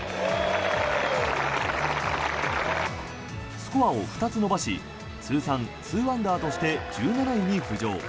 スコアを２つ伸ばし通算２アンダーとして１７位に浮上。